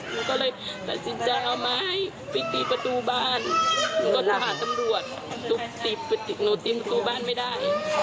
หนูก็เลยตัดสินใจเอาไม้ไปตีประตูบ้านหนูก็โทรหาตำรวจทุบตีหนูตีประตูบ้านไม่ได้